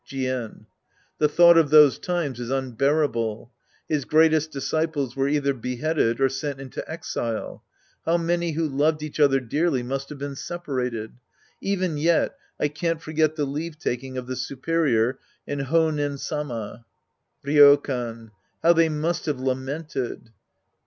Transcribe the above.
Jien. The thought of those times is unbearable. His greatest disciples were either beheaded or sent 'nto exile. How many who loved each other dearly must have been separated ! Even yet I can't forget the leave taking of the superior and Honen Sama. Ryokan. How they must have lamented